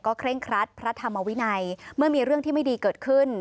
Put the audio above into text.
เคร่งครัดพระธรรมวินัยเมื่อมีเรื่องที่ไม่ดีเกิดขึ้น